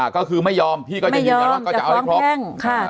ก็คือไม่ยอมพี่ก็จะยืนยันว่าก็จะเอาให้ครบ